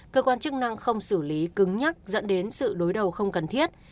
cơ quan chức năng không xử lý cứng nhắc dẫn đến sự đối đầu không cần thiết